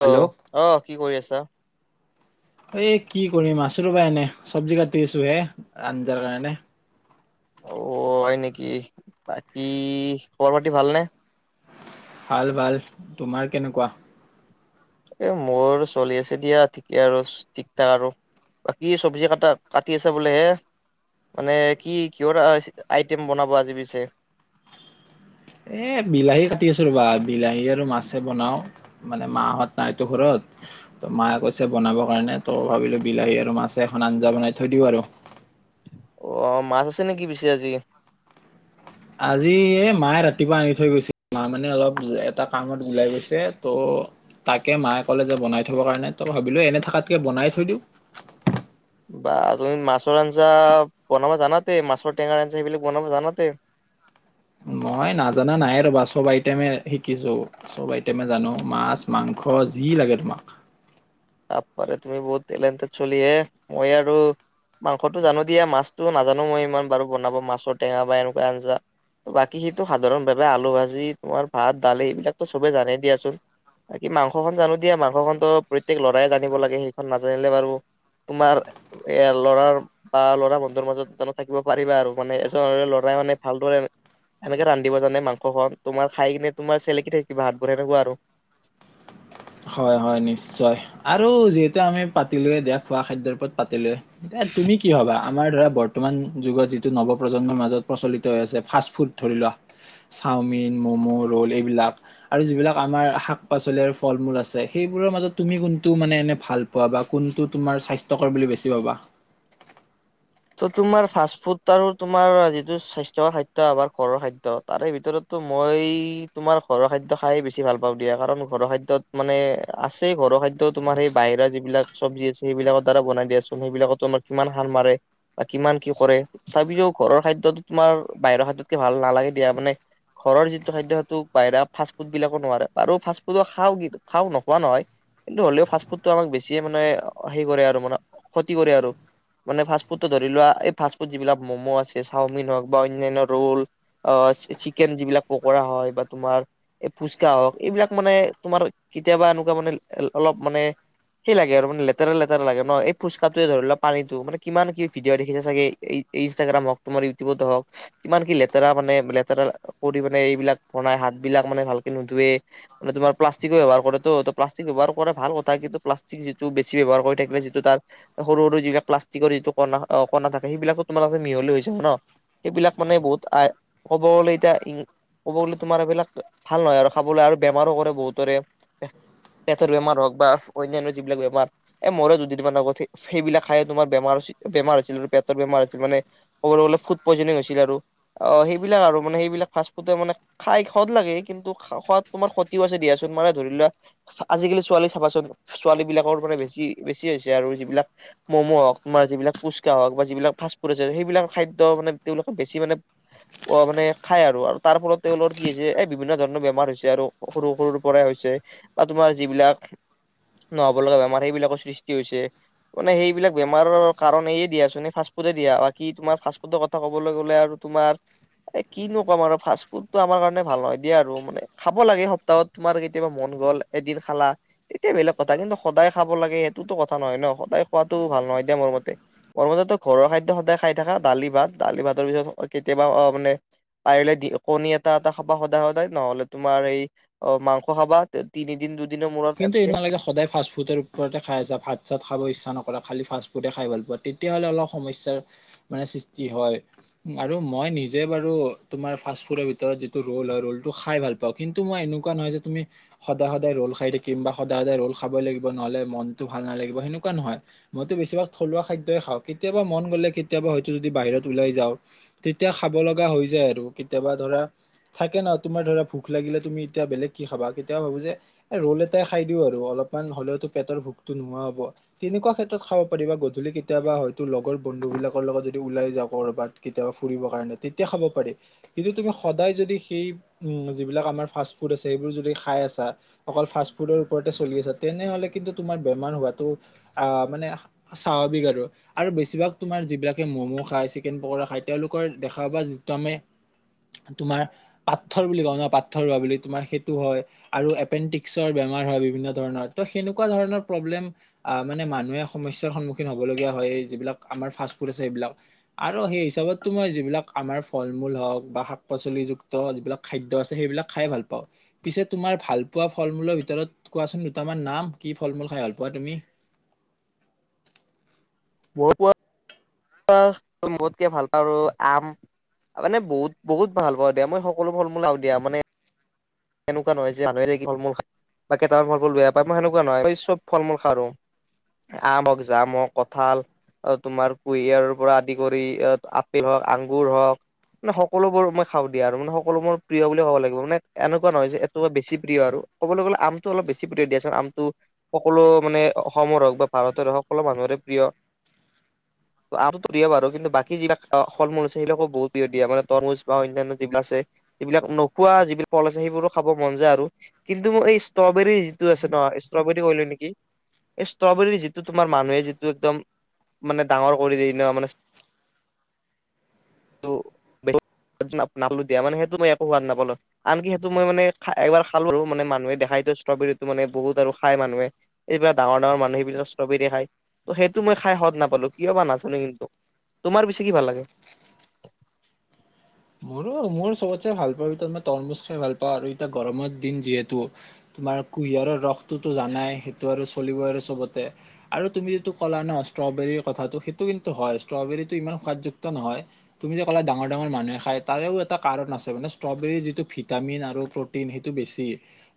Hello আহ কি কৰি আছা। এই কি কৰিম আছো ৰ'বা এনে চব্জি কাটি আছো হে আঞ্জাৰ কাৰণে। অ হয় নেকি বাকী খবৰ পাতি ভালনে। ভাল ভাল তোমাৰ কেনেকুৱা। এ মোৰ চলি আছে দিয়া ঠিকে আৰু ঠিক ঠাক আৰু বাকী চব্জি কটা কাটি আছে বোলেহে মানে কি কিহৰ আইটেম বনাব আজি পিছে। এ বিলাহী কাটি আছো ৰবা বিলাহী আৰু মাছে বনাও মানে মাহঁত নাই তো ঘৰত ত মায়ে কৈছে বনাব কাৰণে তই ভাবিলো বিলাহী আৰু মাছে এখন আঞ্জা বনাই থৈ দিওঁ আৰু। অ মাছ আছে নেকি পিছে আজি। আজি এ মায়ে ৰাতিপুৱা আনি থৈ গৈছিল মা মানে অলপ। এটা কামত ওলাই গৈছে, ত' তাকে মায়ে ক'লে যে বনাই থব কাৰণে, ত' ভাবিলো এনে থকাতকে বনাই থৈ দিওঁ। বা তুমি মাছৰ আঞ্চা বনাব জানা তে, মাছৰ টেঙাৰ সেইবিলাগ বনাব জানা, তে? মই নাজানা নাই ৰ'বা, চব আইটেমে শিকিছোঁ, চব আইটেমে জানো মাছ, মাংস যি লাগে তোমাক। বাপ্পা ৰে তুমি বহুত টেলেণ্টেড চলিহে, মই আৰু মাংসতটো জানো দিয়া মাছতো নাজানো মই ইমান বাৰু বনাব মাছৰ টেঙা বা এনেকুৱা আঞ্জা, বাকী সেইটো সাধাৰণ ভাৱে আলু ভাজি তোমাৰ ভাত দালি এইবিলাকো চবে জানে দিয়াচোন, বাকি মাংস খন জানো দিয়া মাংস খন। প্ৰত্যক ল'ৰাই জানিব লাগে, সেইকন নাজানিলে বাৰু তোমাৰ এ ল'ৰা বা ল'ৰা বন্ধুৰ মাজত জানো থাকিব পাৰিবা আৰু মানে এজন ল'ৰাই মানে ভালদৰে এনেকে ৰান্ধিব জানে মাংসখন তোমাৰ খাই কিনে তোমাৰ চেলেকি থাকিব হাতখন সেনেকুৱা আৰু। হয়, হয় নিশ্চয় আৰু যিহেতু আমি পাতিলোৱে দিয়া, খোৱা খাদ্যৰ ওপৰত পাতিলোৱে। এ, তুমি কি ভাবা? আমাৰ ধৰা বৰ্তমান যুগত যিটো নৱ প্ৰজন্মৰ মাজত প্ৰচলিত হৈ আছে ফাষ্ট ফুড ধৰি লোৱা। চাওমিন, মমো, ৰ'ল, এইবিলাক আৰু যিবিলাক আমাৰ শাক -পাচলি আৰু ফল- মূল আছে সেইবোৰৰ মাজত তুমি কোনটো মানে এনে ভাল পোৱা। বা কোনটো তোমাৰ স্বাস্থ্যকৰ বুলি বেছি ভাবা? ত 'তোমাৰ ফাষ্ট ফুড আৰু তোমাৰ যিটো স্বাস্থ্যকৰ খাদ্য আমাৰ ঘৰৰ খাদ্য তাৰে ভিতৰতটো মই তোমাৰ ঘৰৰ খাদ্য খাই বেছি ভাল পাওঁ দিয়া। কাৰণ ঘৰৰ খাদ্যত মানে আছে ঘৰৰ খাদ্য তোমাৰ সেই বাহিৰা যিবিলাক চব্জি আছে সেইবিলাকৰ দ্বাৰা বনাই দিয়াচোন সেইবিলাকত তোমাৰ কিমান সাৰ মাৰে বা কিমান কি কৰে। তথাপিও ঘৰৰ খাদ্যটো তোমাৰ বাহিৰৰ খাদ্যতকে ভাল নালাগে দিয়া। মানে ঘৰৰ যিটো খাদ্য সেইটো বাহিৰা ফাষ্টফুড বিলাকো নোৱাৰে। আৰু ফাষ্টফুডো খাওঁ, খাওঁ নোখোৱা নহয়। কিন্তু হ'লেও ফাষ্টফুডটো আমাক বেছিয়ে মানে হে কৰে আৰু মানে ক্ষতি কৰে আৰু। মানে ফাষ্টফুড ফুড ধৰি লো, ৱা এই ফাষ্ট ফুড যিবিলাক ম'ম', আছে চাওমিন হওঁক বা অনান্য ৰোল অ, চিকেন যিবিলাক পকৰা হয়। বা তোমাৰ এই ফুচকা হওঁক এইবিলাক মানে তোমাৰ কেতিয়াবা এনেকুৱা মানে অলপ মানে সেই লাগে আৰু মানে লেতেৰা লেতেৰা লাগে ন। এই ফুচকাটোৱে ধৰি লোৱা পানীটো মানে কিমান কি ভিডিঅ' দেখিছে চাগে এই ইনষ্টাগ্ৰাম হওক তোমাৰ ইউটিউবতে হও। কিমান কি লেতেৰা মানে লেতেৰা কৰি মানে এইবিলাক বনাই হাতবিলাক মানে ভালকে নুধুৱে। মানে তোমাৰ প্লাষ্টিকো ব্যৱহাৰ কৰে তো, ত প্লাষ্টিক ব্যৱহাৰ কৰা ভাল কথা। কিন্তু প্লাষ্টিক যিটো বেছি ব্যৱহাৰ কৰি থাকিলে যিটো তাৰ সৰু, সৰু যিবিলাক প্লাষ্ট যিটো কণা, কণা থাকে সেইবিলাকো তোমাৰ তাতে মিহলি হৈ যায় ন। সেইবিলাক মানে বহুত, ক'ব গ'লে এতিয়া ক'ব গ'লে তোমাৰ এইবিলাক ভাল নহয়। আৰু খাবলৈ আৰু বেমাৰো কৰে বহুতৰে। পেটৰ বেমাৰ হওঁক বা অন্যান্য যিবিলাক বেমাৰ এই মোৰো যদি তোমাৰ লগত সেইবিলাক খাই তোমাৰ বেমাৰ, বেমাৰ আছিল। আৰু পেটৰ বেমাৰ আছিল মানে ক'ব গলে ফুড প্ৰয়োজনে হৈছিল আৰু। অ, সেইবিলাক আৰু মানে সেইবিলাক ফাষ্ট ফুডে মানে খাই সোৱাদ লাগে। কিন্তু সোৱাদ তোমাৰ ক্ষতিও আছে দিয়াচোন মানে ধৰি লোৱা আজিকালি ছোৱালী চাবাচোন ছোৱালী বিলাকৰ মানে বেছি বেছি হৈছে আৰু যিবিলাক ম'ম' হওক, তোমাৰ যিবিলাক ফুচকা হওক। বা যিবিলাক ফাষ্টফুড আছে সেইবিলাক খাদ্য মানে তেওঁলোকে বেছি মানে মানে খায় আৰু তাৰ ফলত তেওঁলোকৰ কি হৈছে এ বিভিন্ন ধৰণৰ বেমাৰ হৈছে আৰু সৰু সৰুৰ পৰাই হৈছে বা তোমাৰ যিবিলাক নহ'ব লগা বেমাৰ সেইবিলাকৰ সৃষ্টি হৈছে। মানে সেই বিলাক বেমাৰৰ কাৰণ দিয়া ফাষ্টফুডে দিয়া বা কি তোমাৰ ফাষ্টফুডৰ কথা কবলৈ গ'লে আৰু তোমাৰ কিনো কম আৰু। ফাষ্টফুডটো আমাৰ কাৰণে ভাল নহয় দিয়া। আৰু মানে খাব লাগে সপ্তাহত তোমাৰ কেতিয়াবা মন গ'ল এদিন খালা। তেতিয়া বেলেগ কথা। কিন্তু সদায় খাব লাগে সেইটোতো কথা নহয় ন। সদায় খোৱাতো ভাল নহয় দিয়া মোৰ মতে। মোৰ মতেতো ঘৰৰ খাদ্য সদায় খাই থকা। দালি, ভাত দালি ভাতৰ পিছত কেতিয়াবা অ, মানে পাৰিলে কণী এটা এটা খাবা সদায় সদায় নহ'লে তোমাৰ এই, অ মাংস খাবা। তিনিদিন দুদিন কিন্তু এনেকুৱা নালাগে সদায় ফাষ্টফুডৰ ওপৰতে খাই আছা। ভাত চাত খাব ইচ্ছা নক খালি ফাষ্ট্ৰ ফুডে খাই ভাল পোৱা। তেতিয়ালে অলপ সমস্যাৰ মানে সৃষ্টি হয়। আৰু মই নিজে বাৰু তোমাৰ ফাষ্ট ফুডৰ ভিতৰত যিটো ৰোল হয় ৰলটো খাই ভাল পাওঁ। কিন্তু মই এনেকুৱা নহয় যে তুমি সদায় সদায় ৰোল খাই থাকি কিমা সদায় সদায় ৰোল খাবই লাগিব নহলে মনতটো ভাল নালাগিব সেনেকুৱা নহয়। মইতো বেভাগ থলুৱা খাদ্যয়ই খাওঁ। কেতিয়াবা মন গ'লে কেতিয়াবা হয়তো যদি বাহিৰত ওলাই যাওঁ তেতিয়া খাব লগা হৈ যায় আৰু কেতিয়াবা ধৰা থাকে ন তোমাৰ ধৰা ভোক লাগিলে তুমি এতিয়া বেলেগ কি খাবা কেতিয়াবা ভাবো যে ৰ'ল খাই দিও আৰু। অলপমান হ'লেওো পেটৰ ভোকতো নোহোৱা হ'ব। তেনেকুৱা ক্ষেত্ৰত খাব পাৰি বা গধূলি কেতিয়াবা হয়তো লগৰ বন্ধু বিলাকৰ লগত যদি ওলাই যাওঁ কৰাত কেতিয়াবা ফুৰিব কাৰণে তেতিয়া খাব পাৰি। কিন্তু তুমি সদায় যদি সেই উ, যিবিলাক আমাৰ ফাষ্ট ফুড আছে সেইবোৰ যদি খাই আছা। অকল ফু তেনেহলে কিন্তু তোমাৰ বেমাৰ হোৱাটো মানে স্বাভিক আৰু। আৰু বেছিভাগ তোমাৰ যিবিলাকে তোমাৰ মম খায়, চিকন পৰা খাই। তেওঁলোকৰ দেখাোৱা যিম তমাৰ পথৰ বুলি ক ন। পথৰ হোৱা বুলি আৰু এপেণ্ডিক্স বেমাৰ হয় বিভিন্ন ধৰণৰ। ত, সেনেকুৱা ধৰণৰ প্ৰব্লেম আহ মানে মানুহে সমস্য়াৰ সন্মুখীন হ'ব। লগগীয়া হয় যিবিলাক আমাৰ ফাষ্ট ফুড আছে সেইবিলাক আৰু সেই হিচাপতো মই যিবিলাক আমাৰ ফল- মূল হওক বা শাক -পাচলি যুক্ত যিবিলাক খাদ্য আছে সেইবিলাক খাই ভাল পাওঁ। পিছে তোমাৰ ভাল পোৱা ফল- মূলৰ ভিতৰত কোৱাচোন দুটামান নাম কি ফল -মূল খাই ভাল পোৱা তুমি? ওপৰ [unintelligible] মতকে ভাল পাওঁ আম মানে বহুত বহুত ভাল পাওঁ দিয়া মই সকলো ফল মূলাও দিয়া মানে সনেকুৱা নহয় যে, মানুহে ফল মূল বা কেইটামান ফল মূল বেয়া পায়। মই সেনেকুৱা নহয় ম চব ফল মূল খা আম হওক জাম, হওক কঠাল, তোমাৰ কুঁহিয়াৰ পৰা আদি কৰি আপেল হওক আগুৰ হওক মানে সকলোবোৰ মই খাওঁ দিয়া আৰু মানে সকলো মোৰ প্ৰিয় বুলি ক'ব লাগিব মানে এনেকুৱা নহয় যে, এই বেছি প্ৰিয় আৰু। কবলৈ গলে আমটো অলপ বেছি প্ৰিয় দিয়াচোন। আমটো সকলো মানে অসমৰ হওক বা ভাৰতৰে হওক সকলো মানুহৰে প্ৰিয়। আটোতো দিয় আৰু কিন্তু বাকী যিবিলাকল মূল আছে সেইিলাকো বহুত প্ৰিয় দিয়া মানে তৰমুজ বা অন্যান্য যিবিলাক আছে। সবিলাক নোখোৱা যিবিলাক ফল আছে সেইবোৰো খাব মন যায় আৰু। কিন্তু ম এই ষ্ট্ৰবেৰী যিটো আছে ন। ষ্ট্ৰবেৰী কলো নেকি, এই ষ্ট্ৰবেৰী যিটো তোমাৰ মানুহে যিটো এক্দম মানে ডাঙৰ কৰি দি ন মানে নো দিয়া মানে সেইটো মই একো সোৱাদ নাপালো। আনকি সেইটো মই মানে এবাৰ খালো আৰু মানে মানুহে দেখাইতো ষ্ট্ৰবেৰীটো মানে বহুত আৰু খাই মানুহে। এইবিলাক ডাঙৰ ডাঙৰ মানুহ সেইবিলাক ষ্ট্ৰবেৰী খায় ত সেইটো মই খাই সোৱাদ নাপালো কিয় বা নাজানো কিন্তু। তোমাৰ বেছি কি ভাল লাগে? মোৰো, মোৰ চবতচে ভাল পাওঁ ভিতৰত মই তৰমুজ খাই ভাল পাওঁ। আৰু এতিয়া গৰমৰ দিন যিহেতু। তোমাৰ কুঁহিয়াৰৰ ৰস টুটু জানাই সেইটো আৰু চলিব আৰু চবতে। আৰু তুমি যিটো ক'লা ন, ষ্ট্ৰবেৰীৰ কথাটো সেইটো কিন্তু হয়। ষ্ট্ৰবেৰীতটো ইমান সোৱাদযুক্ত নহয়। তুমি যে ক'লা ডাঙৰ ডাঙৰ মানুহে খাই তাৰেও এটা কাৰণ আছে মানে, ষ্ট্ৰবেৰীৰ যিটো ভিটামিন আৰু প্ৰটিন সেইটো বেছি।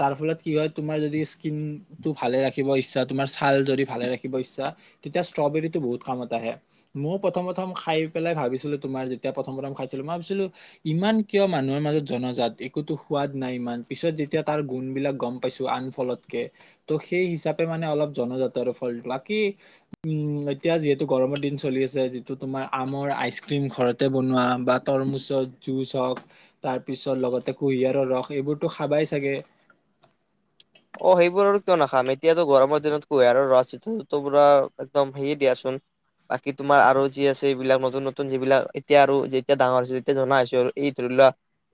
তাৰ ফলত কি হয় তোমাৰ যদি স্কিন টো ভালে ৰাখিব ইচ্ছা তোমাৰ ছাল যদি ভালে ৰাখিব ইচ্ছা তেতিয়া ষ্ট্ৰবেৰীতটো বহুত কামত আহে। ময়ও প্ৰথম প্ৰথম খাই পেলাই ভাবিছিলো তোমাৰ যেতিয়া প্ৰথম প্ৰথম খাইছিলো মই ভাবিছিলো ইমান কিয় মানুহৰ মাজত জনজাত একোতো সোৱাদ নাই ইমান পিছত যেতিয়া তাৰ গুণবলাক গম পাইছো আন ফলতকে। ত' সেই হিচাপে মানে অলপ জনজাতৰ ফলটো। বাকী উম, এতিয়া যিহেতু গৰমৰ দিন চলি আছে যিটো তোমাৰ আমৰ আইচ ক্ৰীম ঘৰতে বনোৱা বা তৰমুচত জুচ হওক, তাৰপিছত লগতে কুঁহিয়াৰৰ ৰস এইবোৰতো খাবাই চাগে। অ, সেইবোৰ আৰু কিয় নাখাম। এতিয়াাতো গৰমৰ দিনত কুঁহিয়াৰৰ ৰস জিতে পুৰা একদম সেয়ে দিয়াচোন। বাকী তোমাৰ আৰু যি আছে এইবিলাক নতুন, নতুন যিবিলাক এতিয়া আৰু যেতিয়া ডাঙৰ হৈছে তেতিয়া জনা হৈছে আৰু এই ধৰি লোৱা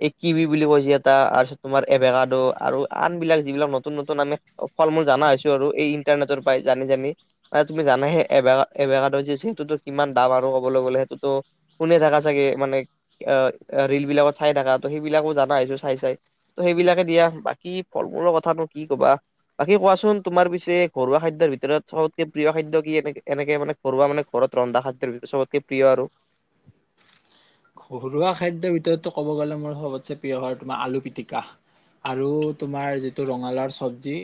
এই কিবি বুলি কয় যে এটা তাৰপিছত তোমাৰ এভেকাডো আৰু আন বিলাক যিবিলাক নতুন, নতুন আমি ফল মূল জনা হৈছো আৰু। এই ইন্টাৰনেটৰ পৰা জানি জানি। মানে তুমি জানা যে এ, অভেকেডো যিটোতো কিমান দাম আৰু কবলৈ গ'লে। সেইটোতো শুনি থকা চাগে। মানে ৰিল বিলাকত চাই থকা ত সেইবিলাকো জনা হৈছো চাই চাই। ত, সেইবিলাকে দিয়া। বাকী ফল-মূলৰ কথা কি কবা। বাকী কোৱাচোন তোমাৰ পিছে ঘৰুৱা খাদ্যৰ ভিতৰত সবতকে প্ৰিয় খাদ্য কি এনে এনেকে মানে ঘৰুৱা মানে ঘৰত ৰন্ধা খাদ্যৰ ভিতৰত চবতকে প্ৰিয় আৰু। ঘৰুৱা খাদ্যৰ ভিতৰতো ক'ব গলে মোৰ সবতচে প্ৰিয় হয় তোমাৰ আলু পিতিকা। আৰু তোমাৰ যিটো ৰঙালাও চব্জি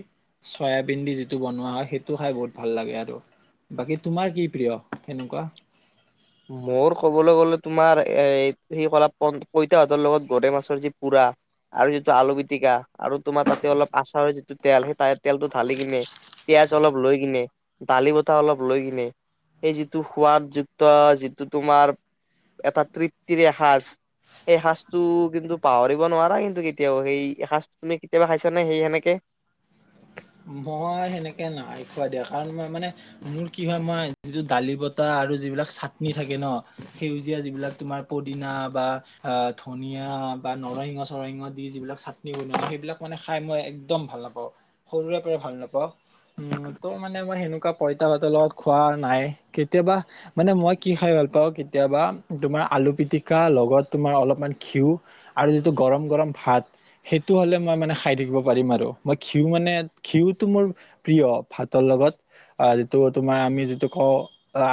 চয়াবিন দি যিটো বনোৱা হয় সেইটো খাই বহুত ভাল লাগে আৰু। বাকী তোমাৰ কি প্ৰিয় সেনেকুৱা মোৰ ক'বলৈ গ'লে তোমাৰ, এ সি কলা প পইতাহঁতৰ লগত গৰৈ মাছৰ যি পোৰা আৰু যিটো আলু পিটিকা। আৰু তোমাৰ তাতে অলপ আচাৰৰ যিটো তেল সেই তেলটো ঢালি কিনে পিয়াজ অলপ লৈ কিনে দালি বটা অলপ লৈ কিনে সেই যিটো সোৱাদ যিটো তোমাৰ এটা তৃপ্তিৰে এসজ। সেই সজটো কিন্তু পাহৰিব নোৱাৰা কিন্তু কেতিয়াও সেই এসাঁজটো তুমি কেতিয়াবা খাইছ নে সেই সেনেকে? মই সেনেকে নাই খুৱাই দিয়া। কাৰণ মই মানে মোৰ কি হয় মই যিটো দালি বতা আৰু যিবিলাক চাটনি থাকে ন। সেউজীয়া যিবিলাক তোমাৰ পদিনা বা অ ধনিয়া বা নৰসিংহ চৰসিংহ দি যিবিলাক চাটনি বনুৱা হয় সেইবিলাক মানে খাই মই একদম ভাল নাপাওঁ। সৰুৰে ভাল নাপাওঁ। উম, ত, মানে মই সেনেকুৱা পইতা পাতৰ লগত খোৱা নাই। কেতিয়াবা মানে মই কি খাই ভাল পাওঁ, কেতিয়াবা তোমাৰ আলু পিটিকা লগত তোমাৰ অলপমান ঘিউ আৰু যিটো গৰম গৰম ভাত। সেইটো হ'লে মই মানে খাই থাকিব পাৰিম আৰু। মই ঘিউ মানে ঘিউটো মোৰ প্ৰিয় ভাতৰ লগত। যিটো তোমাৰ আমি যিটো কওঁ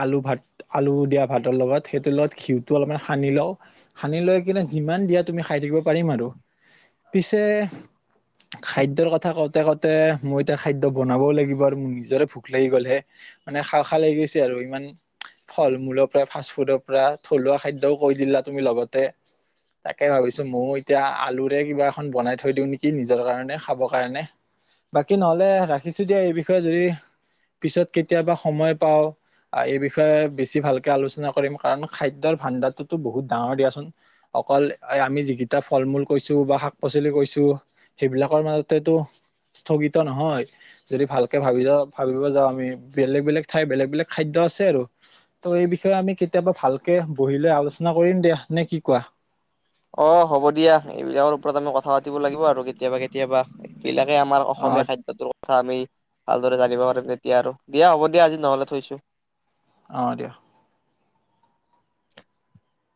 আলু ভাত, আলু দিয়া ভাতৰ লগত, সেইটোৰ লগত ঘিউটো অলপমান সানি লওঁ। সানি লৈ কিনে যিমান দিয়া তুমি খাই থাকিব পাৰিম আৰু। পিছে খাদ্যৰ কথা কওঁতে কওঁতে মই এতিয়া খাদ্য বনাবও লাগিব আৰু মোৰ নিজৰে ভোক লাগি গ'লহে। মানে খাও, খাও লাগি গৈছে আৰু ইমান, ফল মূলৰ পৰা, ফাষ্ট ফুডৰ পৰা, থলুৱা খাদ্যও কৈ দিলা তুমি লগতে। তাকে ভাবিছো ময়ো এতিয়া আলুৰে কিবা এখন বনাই থৈ দিওঁ নেকি নিজৰ কাৰণে খাবৰ কাৰণে। বাকী নহ'লে ৰাখিছোঁ দিয়া, এই বিষয়ে যদি পিছত কেতিয়াবা সময় পাওঁ এই বিষয়ে বেছি ভালকে আলোচনা কৰিম। কাৰণ খাদ্যৰ ভাণ্ডাৰটোতো বহুত ডাঙৰ দিয়াচোন অকল আমি যিকেইটা ফল মূল কৈছোঁ বা শাক পাচলি কৈছোঁ সেইবিলাকৰ মাজতেতো স্থগিত নহয়। যদি ভালকে ভাবিব যাওঁ ভাবিব যাওঁ আমি বেলেগ বেলেগ ঠাই বেলেগ বেলেগ খাদ্য আছে, আৰু ত' এই বিষয়ে আমি কেতিয়াবা ভালকে বহি লৈ আলোচনা কৰিম দিয়া। নে কি কোৱা? অ' হ'ব দিয়া এইবিলাকৰ ওপৰত আমি কথা পাতিব লাগিব আৰু কেতিয়াবা কেতিয়াবা। বিলাকে আমাৰ অ অসমীয়া খাদ্যটোৰ থা আমি ভালদৰে জানিব পাৰিম তেতিয়া আৰু, দিয়া হ'ব দিয়া আজি নহ'লে থৈছো। অ' দিয়া।